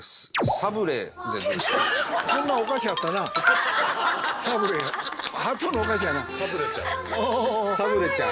サブレちゃん。